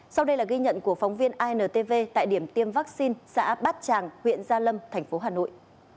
sau đây là ghi nhận của phóng viên intv tại điểm tiêm vaccine xã bát tràng huyện gia lâm thành phố hà nội